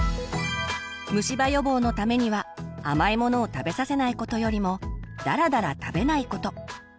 虫歯予防のためには甘いものを食べさせないことよりもだらだら食べないこと。